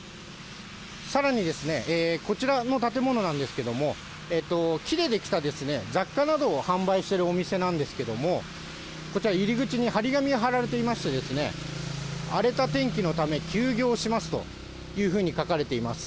さらにこちらの建物なんですけども、木で出来た雑貨などを販売しているお店なんですけども、こちら、入り口に貼り紙が貼られていましてですね、荒れた天気のため、休業しますというふうに書かれています。